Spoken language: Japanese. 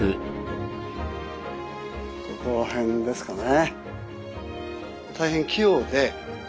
ここら辺ですかね